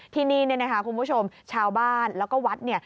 ที่นี่เนี่ยนะคะคุณผู้ชมชาวบ้านแล้วก็วัดเนี่ย